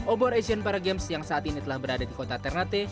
obor asian para games yang saat ini telah berada di kota ternate